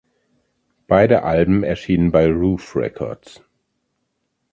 Beide Alben erschienen bei Ruf Records.